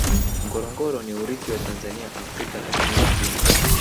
ngorongoro ni urithi wa tanzania africa na dunia nzima